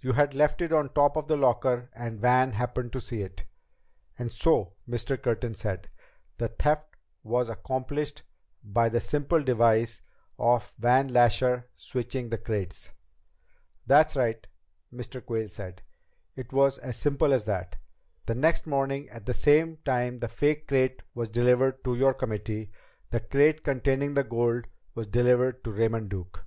You had left it on top of your locker and Van happened to see it." "And so," Mr. Curtin said, "the theft was accomplished by the simple device of Van Lasher switching the crates." "That's right," Mr. Quayle said, "it was as simple as that. The next morning, at the same time the fake crate was delivered to your committee, the crate containing the gold was delivered to Raymond Duke.